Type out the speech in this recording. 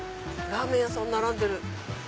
ラーメン屋さん並んでる。